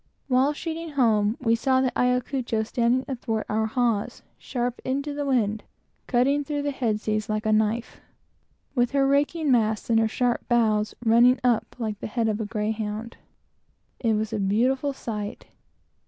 While sheeting home, we saw the Ayacucho standing athwart our bows, sharp upon the wind, cutting through the head sea like a knife, with her raking masts and sharp bows running up like the head of a greyhound. It was a beautiful sight.